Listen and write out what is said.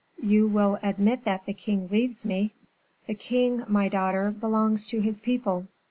"You will admit that the king leaves me?" "The king, my daughter, belongs to his people."